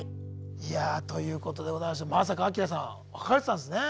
いやということでございましてまさかアキラさん別れてたんですね。